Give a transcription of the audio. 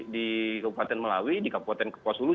di kabupaten melawi di kabupaten kopo suluh